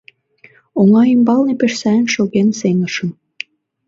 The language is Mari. Оҥа ӱмбалне пеш сайын шоген сеҥышым.